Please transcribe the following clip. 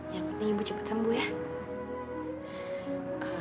yang ini ibu cepat sembuh ya